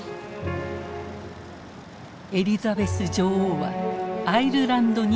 エリザベス女王はアイルランドに渡った。